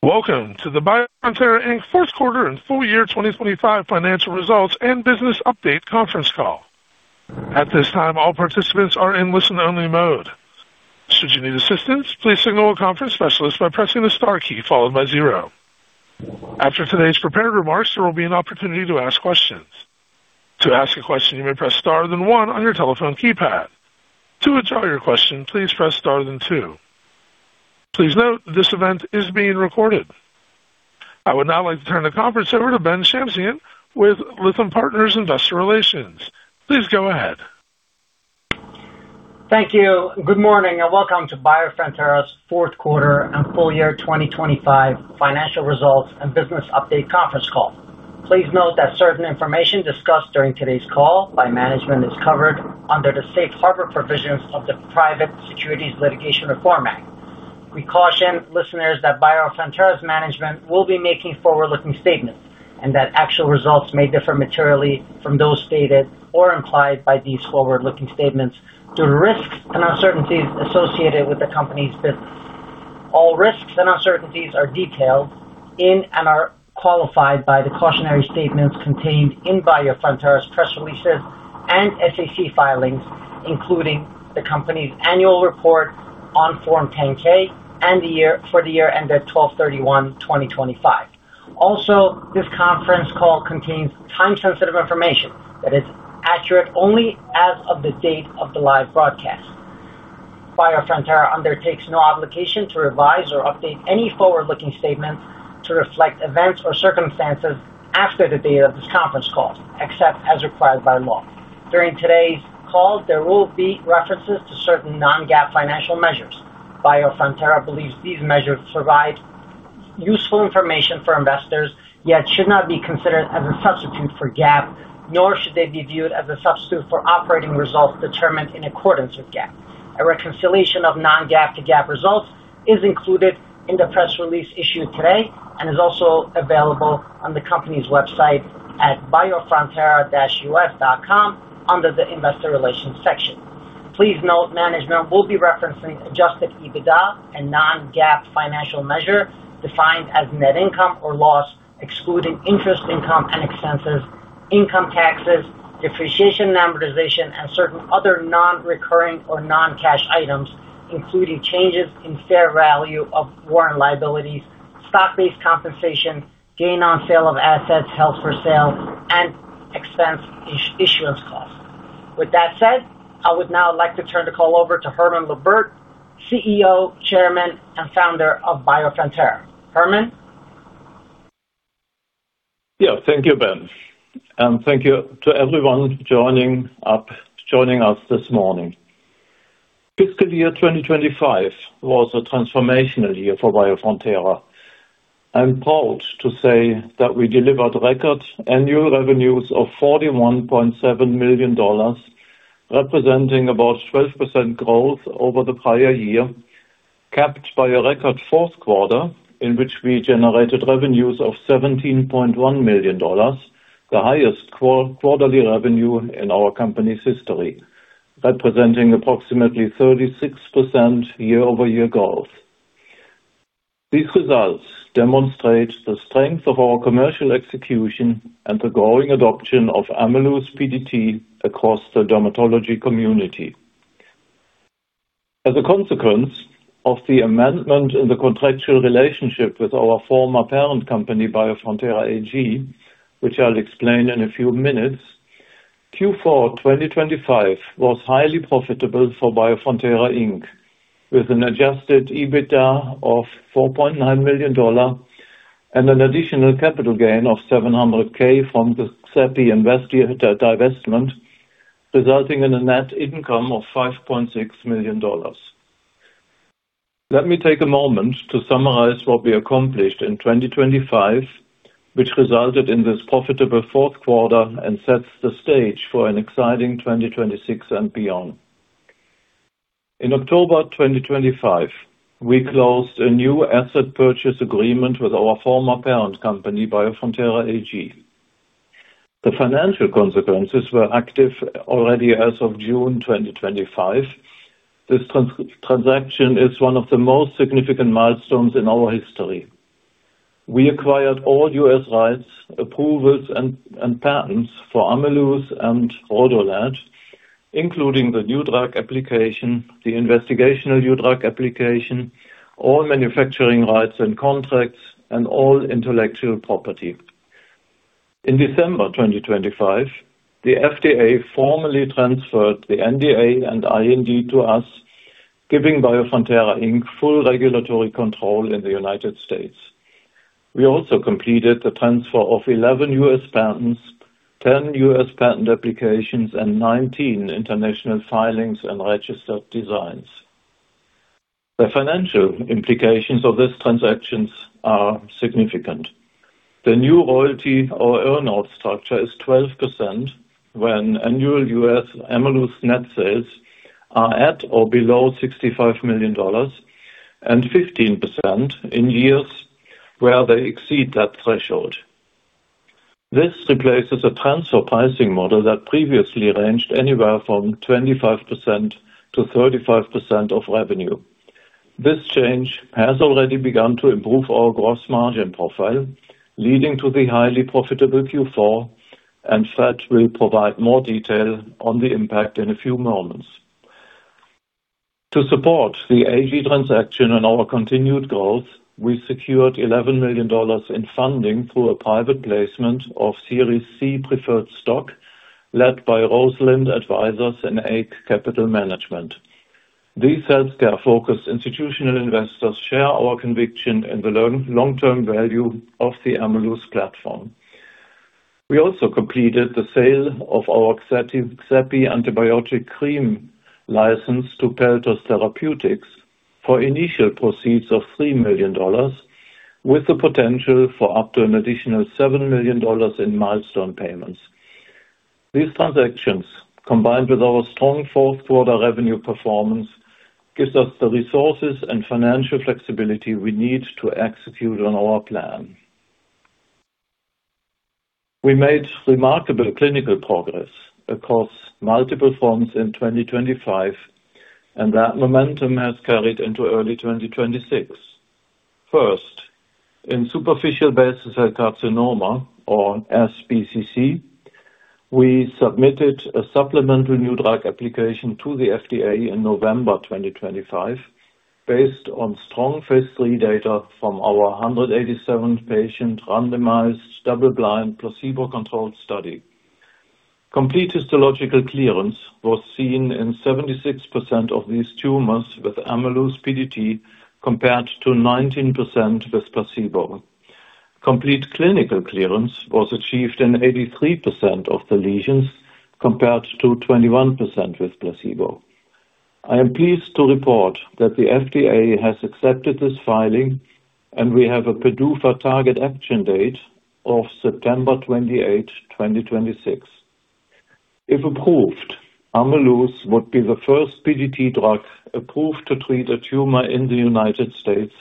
Welcome to the Biofrontera Inc. Fourth Quarter and Full-Year 2025 Financial Results and Business Update Conference Call. At this time, all participants are in listen-only mode. Should you need assistance, please signal a conference specialist by pressing the star key followed by zero. After today's prepared remarks, there will be an opportunity to ask questions. To ask a question, you may press star then one on your telephone keypad. To withdraw your question, please press star then two. Please note this event is being recorded. I would now like to turn the conference over to Ben Shamsian with Lytham Partners Investor Relations. Please go ahead. Thank you. Good morning and welcome to Biofrontera's Fourth Quarter and Full-Year 2025 Financial Results and Business Update Conference Call. Please note that certain information discussed during today's call by management is covered under the safe harbor provisions of the Private Securities Litigation Reform Act. We caution listeners that Biofrontera's management will be making forward-looking statements and that actual results may differ materially from those stated or implied by these forward-looking statements due to risks and uncertainties associated with the company's business. All risks and uncertainties are detailed in and are qualified by the cautionary statements contained in Biofrontera's press releases and SEC filings, including the company's annual report on Form 10-K for the year ended 12/31/2025. Also, this conference call contains time-sensitive information that is accurate only as of the date of the live broadcast. Biofrontera undertakes no obligation to revise or update any forward-looking statements to reflect events or circumstances after the date of this conference call, except as required by law. During today's call, there will be references to certain non-GAAP financial measures. Biofrontera believes these measures provide useful information for investors, yet should not be considered as a substitute for GAAP, nor should they be viewed as a substitute for operating results determined in accordance with GAAP. A reconciliation of non-GAAP to GAAP results is included in the press release issued today and is also available on the company's website at biofrontera-us.com under the Investor Relations section. Please note management will be referencing Adjusted EBITDA and non-GAAP financial measure defined as net income or loss, excluding interest income and expenses, income taxes, depreciation, amortization, and certain other non-recurring or non-cash items, including changes in fair value of warrant liabilities, stock-based compensation, gain on sale of assets held for sale and expenses, issuance costs. With that said, I would now like to turn the call over to Hermann Luebbert, CEO, Chairman, and Founder of Biofrontera. Hermann. Yeah. Thank you, Ben, and thank you to everyone joining us this morning. Fiscal year 2025 was a transformational year for Biofrontera. I'm proud to say that we delivered record annual revenues of $41.7 million, representing about 12% growth over the prior year, capped by a record fourth quarter, in which we generated revenues of $17.1 million, the highest quarterly revenue in our company's history, representing approximately 36% year-over-year growth. These results demonstrate the strength of our commercial execution and the growing adoption of Ameluz PDT across the dermatology community. As a consequence of the amendment in the contractual relationship with our former parent company, Biofrontera AG, which I'll explain in a few minutes. Q4 2025 was highly profitable for Biofrontera Inc., with an Adjusted EBITDA of $4.9 million and an additional capital gain of $700,000 from the Xepi divestment, resulting in a net income of $5.6 million. Let me take a moment to summarize what we accomplished in 2025, which resulted in this profitable fourth quarter and sets the stage for an exciting 2026 and beyond. In October 2025, we closed a new asset purchase agreement with our former parent company, Biofrontera AG. The financial consequences were active already as of June 2025. This transaction is one of the most significant milestones in our history. We acquired all U.S. rights, approvals, and patents for Ameluz and RhodoLED, including the new drug application, the investigational new drug application, all manufacturing rights and contracts, and all intellectual property. In December 2025, the FDA formally transferred the NDA and IND to us, giving Biofrontera Inc. full regulatory control in the United States. We also completed the transfer of 11 U.S. patents, 10 U.S. patent applications, and 19 international filings and registered designs. The financial implications of this transactions are significant. The new royalty or earn-out structure is 12% when annual U.S. Ameluz net sales are at or below $65 million and 15% in years where they exceed that threshold. This replaces a transfer pricing model that previously ranged anywhere from 25%-35% of revenue. This change has already begun to improve our gross margin profile, leading to the highly profitable Q4, and Fred will provide more detail on the impact in a few moments. To support the AG transaction and our continued growth, we secured $11 million in funding through a private placement of Series C preferred stock led by Rosalind Advisors and AIGH Capital Management. These healthcare-focused institutional investors share our conviction in the long-term value of the Ameluz platform. We also completed the sale of our Xepi antibiotic cream license to Pelthos Therapeutics for initial proceeds of $3 million, with the potential for up to an additional $7 million in milestone payments. These transactions, combined with our strong fourth quarter revenue performance, gives us the resources and financial flexibility we need to execute on our plan. We made remarkable clinical progress across multiple forms in 2025, and that momentum has carried into early 2026. First, in superficial basal cell carcinoma or SBCC, we submitted a supplemental new drug application to the FDA in November 2025 based on strong phase three data from our 187 patient randomized double-blind placebo-controlled study. Complete histological clearance was seen in 76% of these tumors with Ameluz PDT compared to 19% with placebo. Complete clinical clearance was achieved in 83% of the lesions compared to 21% with placebo. I am pleased to report that the FDA has accepted this filing, and we have a PDUFA target action date of September 28, 2026. If approved, Ameluz would be the first PDT drug approved to treat a tumor in the United States,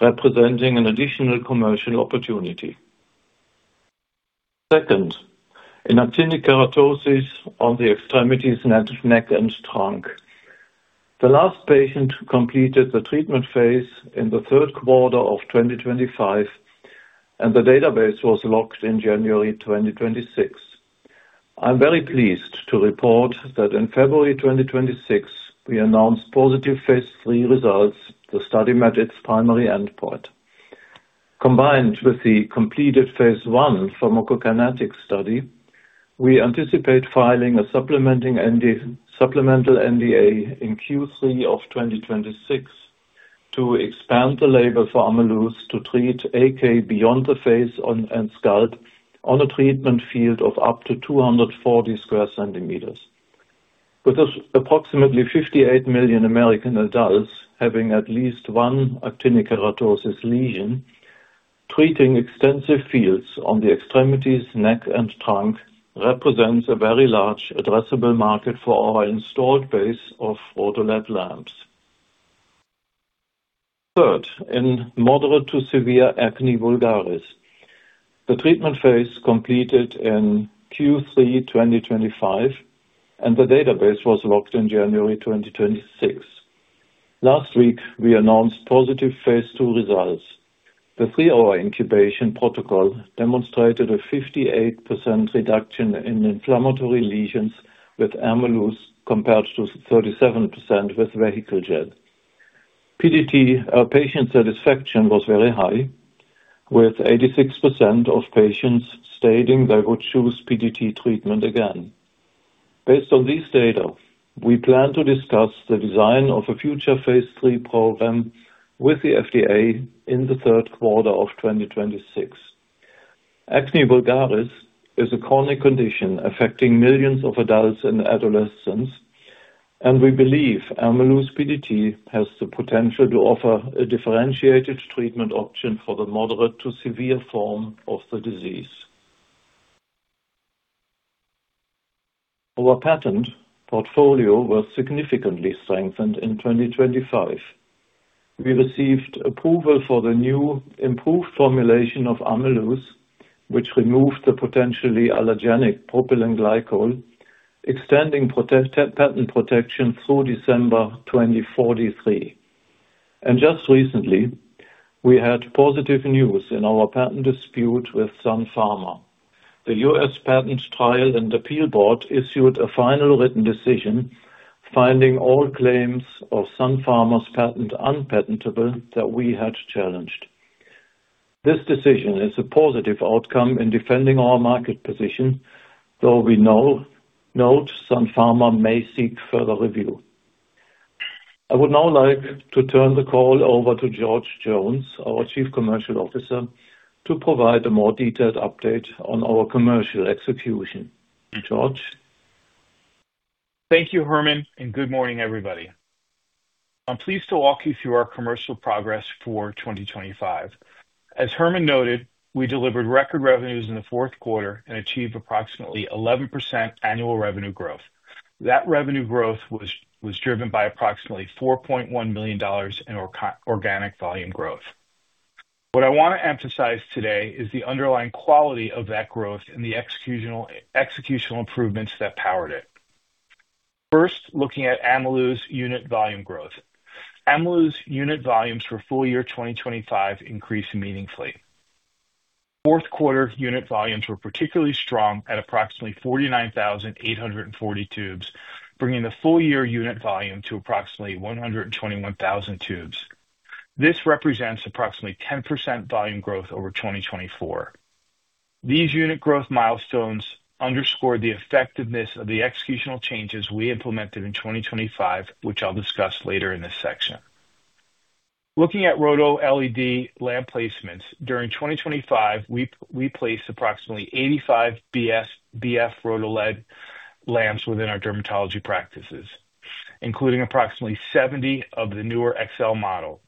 representing an additional commercial opportunity. Second, in actinic keratosis on the extremities, neck and trunk. The last patient completed the treatment phase in the third quarter of 2025, and the database was locked in January 2026. I'm very pleased to report that in February 2026, we announced positive phase III results. The study met its primary endpoint. Combined with the completed phase I pharmacokinetic study, we anticipate filing a supplemental NDA in Q3 of 2026 to expand the label for Ameluz to treat AK beyond the face and scalp on a treatment field of up to 240 sq cm. With this, approximately 58 million American adults having at least one actinic keratosis lesion, treating extensive fields on the extremities, neck and trunk represents a very large addressable market for our installed base of RhodoLED lamps. Third, in moderate to severe acne vulgaris. The treatment phase completed in Q3 2025, and the database was locked in January 2026. Last week, we announced positive phase II results. The three-hour incubation protocol demonstrated a 58% reduction in inflammatory lesions with Ameluz compared to 37% with vehicle gel. PDT patient satisfaction was very high, with 86% of patients stating they would choose PDT treatment again. Based on this data, we plan to discuss the design of a future phase III program with the FDA in the third quarter of 2026. Acne vulgaris is a chronic condition affecting millions of adults and adolescents, and we believe Ameluz PDT has the potential to offer a differentiated treatment option for the moderate to severe form of the disease. Our patent portfolio was significantly strengthened in 2025. We received approval for the new improved formulation of Ameluz, which removed the potentially allergenic propylene glycol, extending patent protection through December 2043. Just recently, we had positive news in our patent dispute with Sun Pharma. The U.S. Patent Trial and Appeal Board issued a final written decision finding all claims of Sun Pharma's patent unpatentable that we had challenged. This decision is a positive outcome in defending our market position, though we know that Sun Pharma may seek further review. I would now like to turn the call over to George Jones, our Chief Commercial Officer, to provide a more detailed update on our commercial execution. George? Thank you, Hermann, and good morning, everybody. I'm pleased to walk you through our commercial progress for 2025. As Hermann noted, we delivered record revenues in the fourth quarter and achieved approximately 11% annual revenue growth. That revenue growth was driven by approximately $4.1 million in organic volume growth. What I want to emphasize today is the underlying quality of that growth and the executional improvements that powered it. First, looking at Ameluz's unit volume growth. Ameluz's unit volumes for full-year 2025 increased meaningfully. Fourth quarter unit volumes were particularly strong at approximately 49,840 tubes, bringing the full year unit volume to approximately 121,000 tubes. This represents approximately 10% volume growth over 2024. These unit growth milestones underscore the effectiveness of the executional changes we implemented in 2025, which I'll discuss later in this section. Looking at RhodoLED lamp placements. During 2025, we placed approximately 85 BF-RhodoLED lamps within our dermatology practices, including approximately 70 of the newer RhodoLED XL model.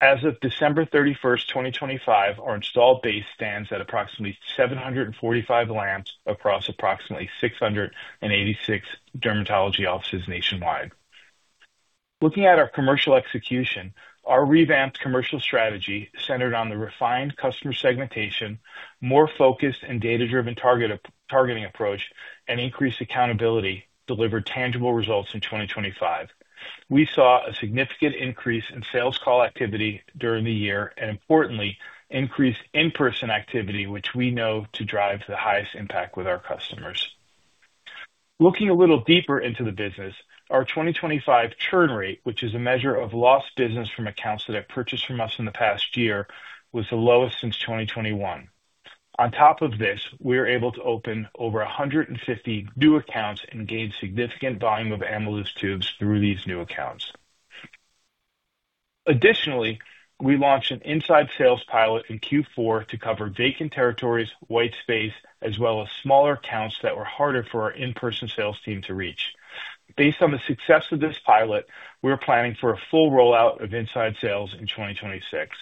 As of December 31st, 2025, our installed base stands at approximately 745 lamps across approximately 686 dermatology offices nationwide. Looking at our commercial execution, our revamped commercial strategy centered on the refined customer segmentation, more focused and data-driven targeting approach, and increased accountability delivered tangible results in 2025. We saw a significant increase in sales call activity during the year, and importantly, increased in-person activity, which we know to drive the highest impact with our customers. Looking a little deeper into the business, our 2025 churn rate, which is a measure of lost business from accounts that have purchased from us in the past year, was the lowest since 2021. On top of this, we are able to open over 150 new accounts and gain significant volume of Ameluz tubes through these new accounts. Additionally, we launched an inside sales pilot in Q4 to cover vacant territories, white space, as well as smaller accounts that were harder for our in-person sales team to reach. Based on the success of this pilot, we're planning for a full rollout of inside sales in 2026.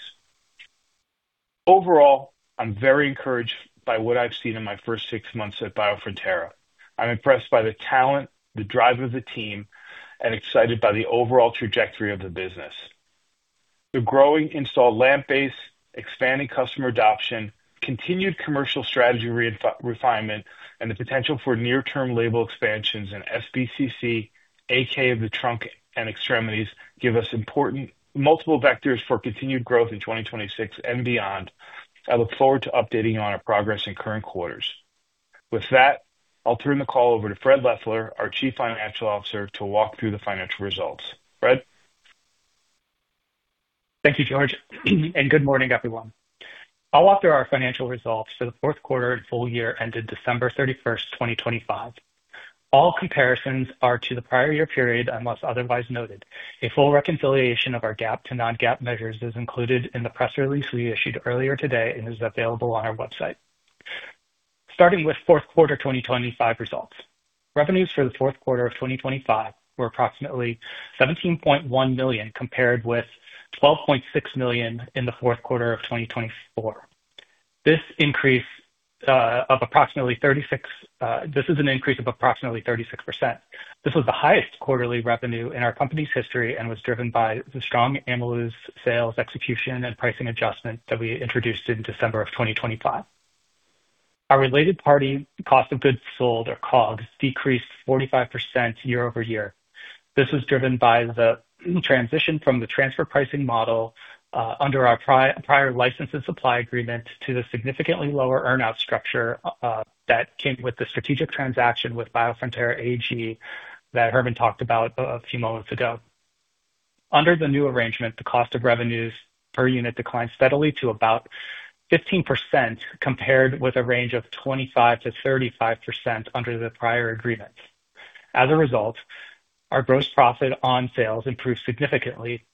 Overall, I'm very encouraged by what I've seen in my first six months at Biofrontera. I'm impressed by the talent, the drive of the team, and excited by the overall trajectory of the business. The growing installed lamp base, expanding customer adoption, continued commercial strategy refinement, and the potential for near-term label expansions in SBCC, AK of the trunk and extremities give us important multiple vectors for continued growth in 2026 and beyond. I look forward to updating you on our progress in current quarters. With that, I'll turn the call over to Fred Leffler, our Chief Financial Officer, to walk through the financial results. Fred? Thank you, George, and good morning, everyone. I'll walk through our financial results for the fourth quarter and full-year ended December 31, 2025. All comparisons are to the prior year period, unless otherwise noted. A full reconciliation of our GAAP to non-GAAP measures is included in the press release we issued earlier today and is available on our website. Starting with fourth quarter 2025 results. Revenues for the fourth quarter of 2025 were approximately $17.1 million, compared with $12.6 million in the fourth quarter of 2024. This is an increase of approximately 36%. This was the highest quarterly revenue in our company's history and was driven by the strong Ameluz sales execution and pricing adjustment that we introduced in December 2025. Our related party cost of goods sold or COGS decreased 45% year-over-year. This was driven by the transition from the transfer pricing model under our prior license and supply agreement to the significantly lower earn-out structure that came with the strategic transaction with Biofrontera AG that Hermann talked about a few moments ago. Under the new arrangement, the cost of revenues per unit declined steadily to about 15%, compared with a range of 25%-35% under the prior agreements. As a result, our gross profit on sales improved significantly,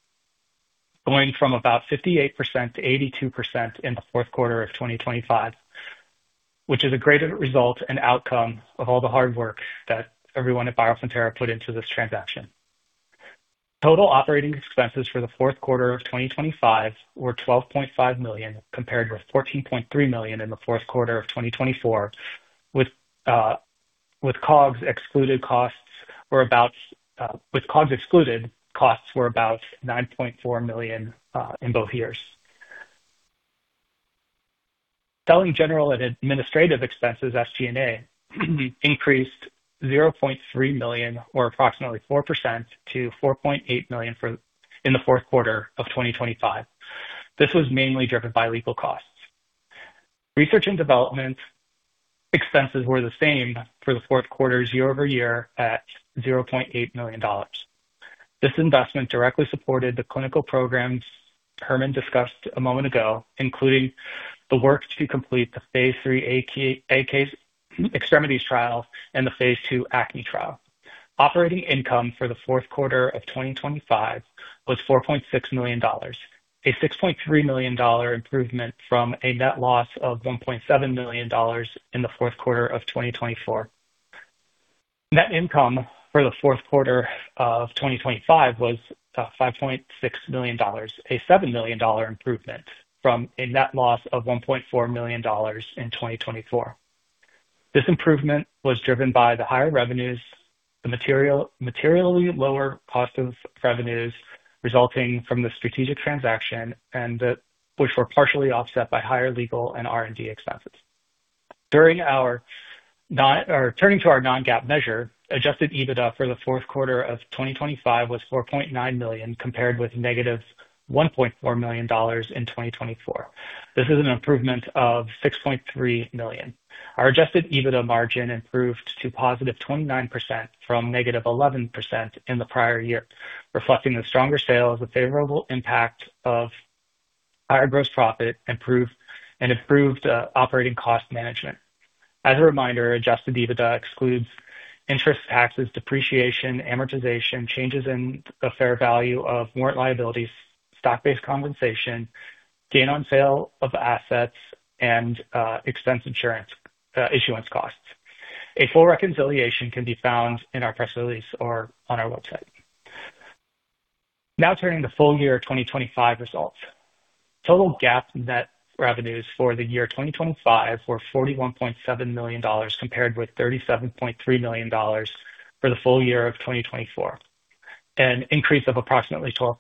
going from about 58%-82% in the fourth quarter of 2025, which is a great result and outcome of all the hard work that everyone at Biofrontera put into this transaction. Total operating expenses for the fourth quarter of 2025 were $12.5 million, compared with $14.3 million in the fourth quarter of 2024. With COGS excluded, costs were about $9.4 million in both years. Selling general and administrative expenses, SG&A, increased $0.3 million or approximately 4% to $4.8 million in the fourth quarter of 2025. This was mainly driven by legal costs. Research and development expenses were the same for the fourth quarter year-over-year at $0.8 million. This investment directly supported the clinical programs Hermann discussed a moment ago, including the work to complete the phase III AK extremities trial and the phase II acne trial. Operating income for the fourth quarter of 2025 was $4.6 million, a $6.3 million improvement from a net loss of $1.7 million in the fourth quarter of 2024. Net income for the fourth quarter of 2025 was $5.6 million, a $7 million improvement from a net loss of $1.4 million in 2024. This improvement was driven by the higher revenues, materially lower cost of revenues resulting from the strategic transaction, which were partially offset by higher legal and R&D expenses. Turning to our non-GAAP measure, Adjusted EBITDA for the fourth quarter of 2025 was $4.9 million compared with negative $1.4 million in 2024. This is an improvement of $6.3 million. Our Adjusted EBITDA margin improved to positive 29% from negative 11% in the prior year, reflecting the stronger sales, the favorable impact of higher gross profit improved operating cost management. As a reminder, Adjusted EBITDA excludes interest, taxes, depreciation, amortization, changes in the fair value of warrant liabilities, stock-based compensation, gain on sale of assets and insurance expense, issuance costs. A full reconciliation can be found in our press release or on our website. Now turning to full-year 2025 results. Total GAAP net revenues for the year 2025 were $41.7 million compared with $37.3 million for the full-year of 2024, an increase of approximately 12%.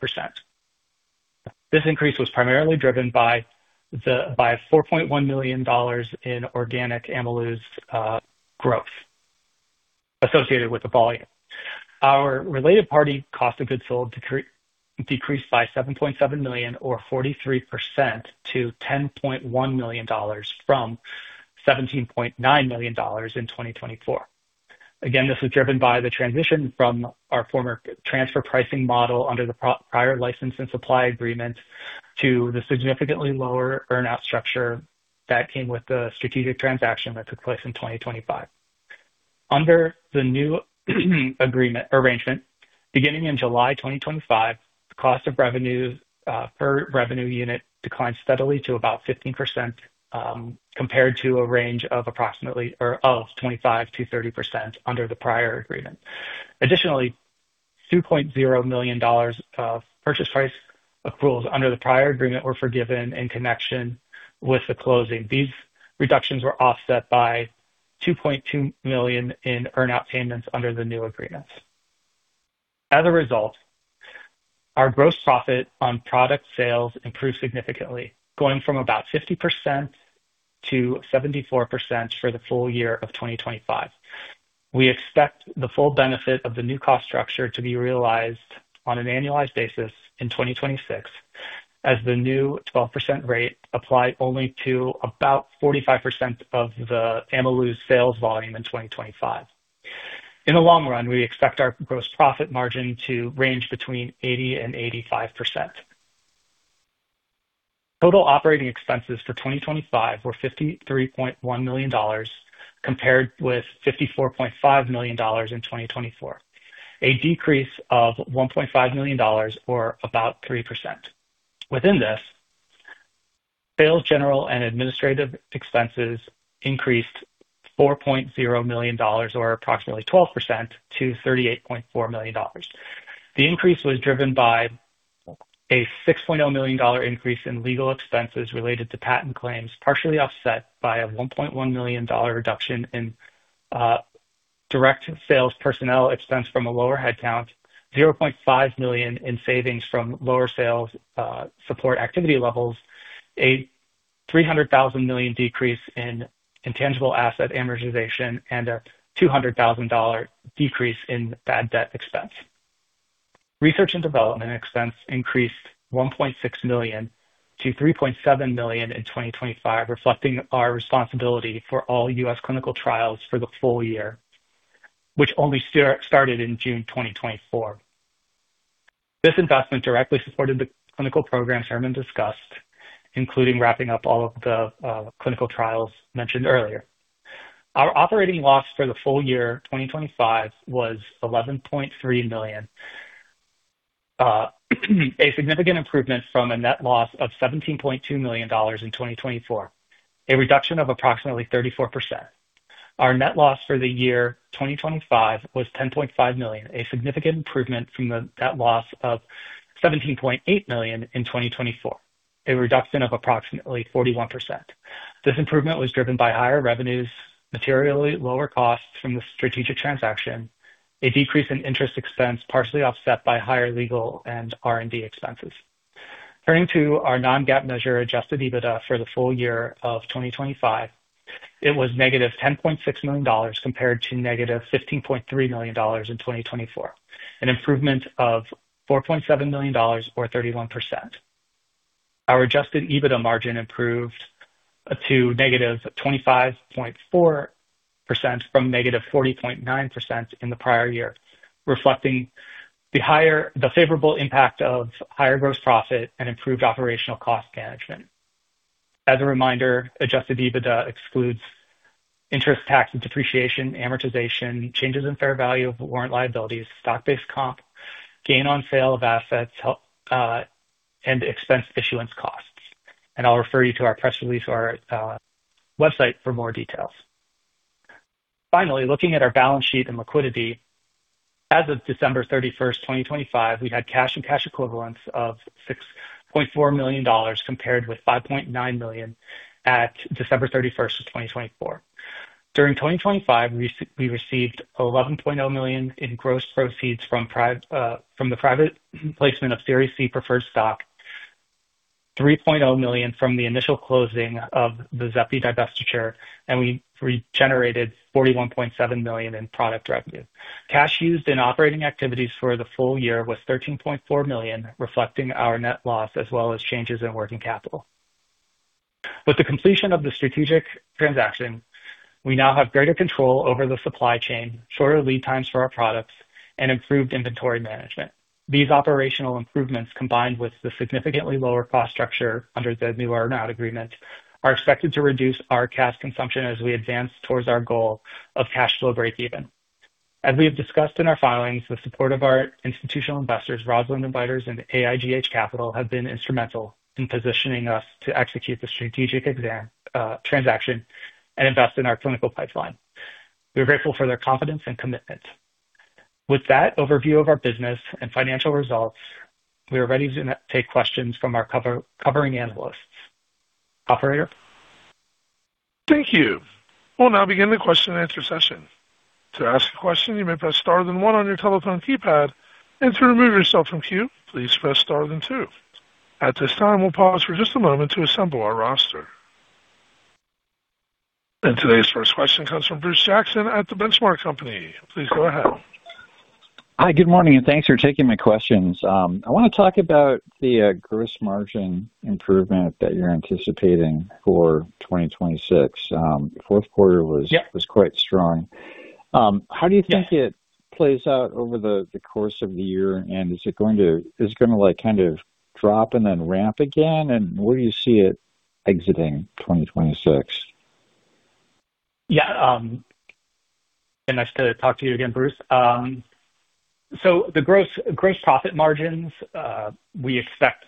This increase was primarily driven by $4.1 million in organic Ameluz growth associated with the volume. Our related party cost of goods sold decreased by $7.7 million or 43% to $10.1 million from $17.9 million in 2024. This was driven by the transition from our former transfer pricing model under the prior license and supply agreement to the significantly lower earn out structure that came with the strategic transaction that took place in 2025. Under the new agreement arrangement beginning in July 2025, the cost of revenue per revenue unit declined steadily to about 15%, compared to a range of approximately or of 25%-30% under the prior agreement. Additionally, $2.0 million of purchase price accruals under the prior agreement were forgiven in connection with the closing. These reductions were offset by $2.2 million in earn out payments under the new agreement. As a result, our gross profit on product sales improved significantly, going from about 50%-74% for the full-year of 2025. We expect the full benefit of the new cost structure to be realized on an annualized basis in 2026 as the new 12% rate applied only to about 45% of the Ameluz sales volume in 2025. In the long run, we expect our gross profit margin to range between 80%-85%. Total operating expenses for 2025 were $53.1 million compared with $54.5 million in 2024, a decrease of $1.5 million or about 3%. Within this, sales general and administrative expenses increased $4.0 million, or approximately 12% to $38.4 million. The increase was driven by a $6.0 million increase in legal expenses related to patent claims, partially offset by a $1.1 million reduction in direct sales personnel expense from a lower headcount, $0.5 million in savings from lower sales support activity levels, a $300,000 decrease in intangible asset amortization and a $200,000 decrease in bad debt expense. Research and development expense increased $1.6 million to $3.7 million in 2025, reflecting our responsibility for all U.S. clinical trials for the full year, which only started in June 2024. This investment directly supported the clinical program Hermann discussed, including wrapping up all of the clinical trials mentioned earlier. Our operating loss for the full-year 2025 was $11.3 million, a significant improvement from a net loss of $17.2 million in 2024, a reduction of approximately 34%. Our net loss for the year 2025 was $10.5 million, a significant improvement from the net loss of $17.8 million in 2024, a reduction of approximately 41%. This improvement was driven by higher revenues, materially lower costs from the strategic transaction, a decrease in interest expense partially offset by higher legal and R&D expenses. Turning to our non-GAAP measure, Adjusted EBITDA for the full-year of 2025, it was -$10.6 million compared to -$15.3 million in 2024, an improvement of $4.7 million or 31%. Our Adjusted EBITDA margin improved to -25.4% from negative 40.9% in the prior year, reflecting the favorable impact of higher gross profit and improved operational cost management. As a reminder, Adjusted EBITDA excludes interest, tax, depreciation, amortization, changes in fair value of warrant liabilities, stock-based comp, gain on sale of assets, equity issuance costs. I'll refer you to our press release or website for more details. Finally, looking at our balance sheet and liquidity. As of December 31st, 2025, we had cash and cash equivalents of $6.4 million compared with $5.9 million at December 31st, 2024. During 2025, we received $11.0 million in gross proceeds from the private placement of Series C preferred stock, $3.0 million from the initial closing of the Xepi divestiture, and we generated $41.7 million in product revenue. Cash used in operating activities for the full-year was $13.4 million, reflecting our net loss as well as changes in working capital. With the completion of the strategic transaction, we now have greater control over the supply chain, shorter lead times for our products, and improved inventory management. These operational improvements, combined with the significantly lower cost structure under the new earn-out agreement, are expected to reduce our cash consumption as we advance towards our goal of cash flow breakeven. As we have discussed in our filings, the support of our institutional investors, Rosalind Advisors and AIGH Capital, have been instrumental in positioning us to execute the strategic transaction and invest in our clinical pipeline. We are grateful for their confidence and commitment. With that overview of our business and financial results, we are ready to take questions from our covering analysts. Operator. Thank you. We'll now begin the question and answer session. To ask a question, you may press star then one on your telephone keypad, and to remove yourself from queue, please press star then two. At this time, we'll pause for just a moment to assemble our roster. Today's first question comes from Bruce Jackson at The Benchmark Company. Please go ahead. Hi, good morning, and thanks for taking my questions. I wanna talk about the gross margin improvement that you're anticipating for 2026. Fourth quarter was- Yeah. was quite strong. How do you think Yeah. It plays out over the course of the year, and is it gonna, like, kind of drop and then ramp again, and where do you see it exiting 2026? Yeah. Nice to talk to you again, Bruce. So the gross profit margins we expect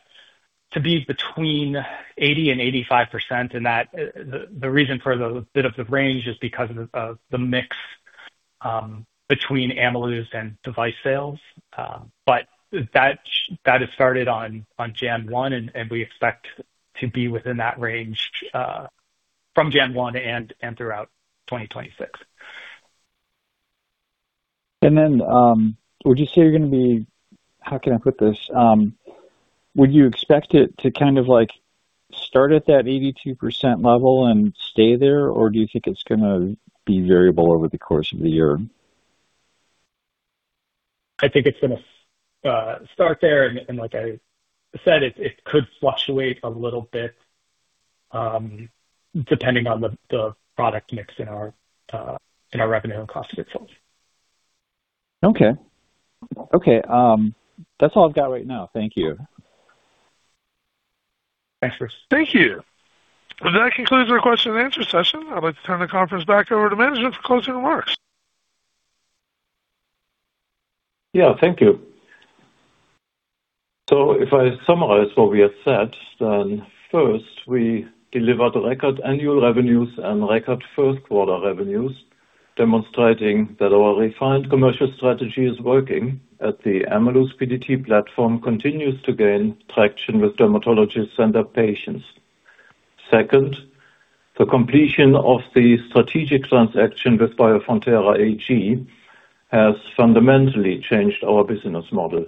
to be between 80%-85%, and that the reason for the breadth of the range is because of the mix between Ameluz and device sales. But that has started on January 1, and we expect to be within that range from January 1 and throughout 2026. How can I put this? Would you expect it to kind of like start at that 82% level and stay there, or do you think it's gonna be variable over the course of the year? I think it's gonna start there. Like I said, it could fluctuate a little bit, depending on the product mix in our revenue and cost of goods sold. Okay. That's all I've got right now. Thank you. Thanks, Bruce. Thank you. That concludes our question and answer session. I'd like to turn the conference back over to management for closing remarks. Yeah. Thank you. If I summarize what we have said, then first, we delivered record annual revenues and record first quarter revenues, demonstrating that our refined commercial strategy is working as the Ameluz PDT platform continues to gain traction with dermatologists and their patients. Second, the completion of the strategic transaction with Biofrontera AG has fundamentally changed our business model.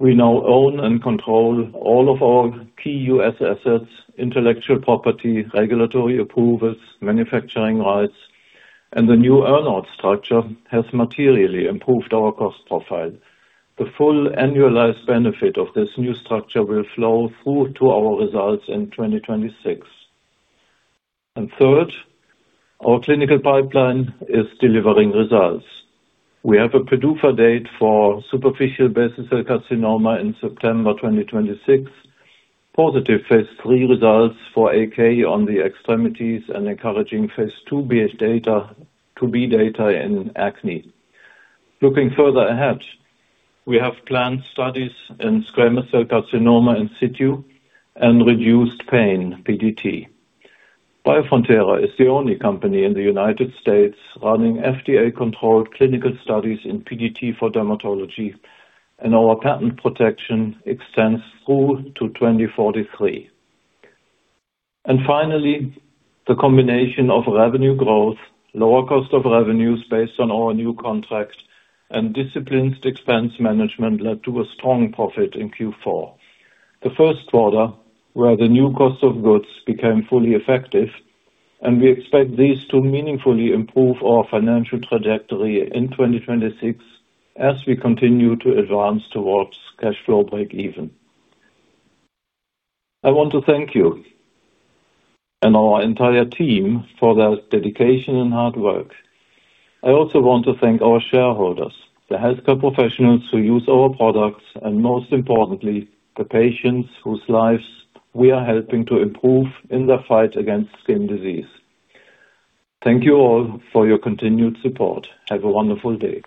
We now own and control all of our key U.S. assets, intellectual property, regulatory approvals, manufacturing rights, and the new earn-out structure has materially improved our cost profile. The full annualized benefit of this new structure will flow through to our results in 2026. Third, our clinical pipeline is delivering results. We have a PDUFA date for superficial basal cell carcinoma in September 2026, positive phase III results for AK on the extremities, and encouraging phase II-B data in acne. Looking further ahead, we have planned studies in squamous cell carcinoma in situ and reduced pain PDT. Biofrontera is the only company in the United States running FDA-controlled clinical studies in PDT for dermatology, and our patent protection extends through to 2043. Finally, the combination of revenue growth, lower cost of revenues based on our new contract, and disciplined expense management led to a strong profit in Q4, the first quarter where the new cost of goods became fully effective, and we expect these to meaningfully improve our financial trajectory in 2026 as we continue to advance towards cash flow breakeven. I want to thank you and our entire team for their dedication and hard work. I also want to thank our shareholders, the healthcare professionals who use our products, and most importantly, the patients whose lives we are helping to improve in the fight against skin disease. Thank you all for your continued support. Have a wonderful day.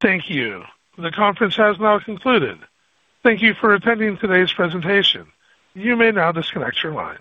Thank you. The conference has now concluded. Thank you for attending today's presentation. You may now disconnect your line.